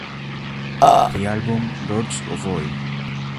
The Album", "Lords Of Oi!